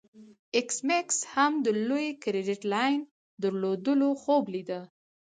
ایس میکس هم د لوی کریډیټ لاین درلودلو خوب لیده